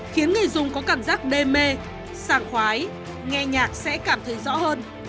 khiến người dùng có cảm giác đê mê sàng khoái nghe nhạc sẽ cảm thấy rõ hơn